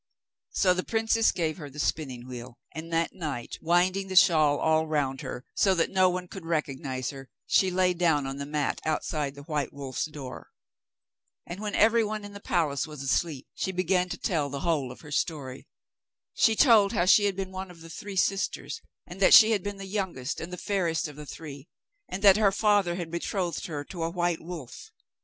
So the princess gave her the spinning wheel. And that night, winding the shawl all round her, so that no one could recognise her, she lay down on the mat outside the white wolf's door. And when everyone in the palace was asleep she began to tell the whole of her story. She told how she had been one of three sisters, and that she had been the youngest and the fairest of the three, and that her father had betrothed her to a white wolf.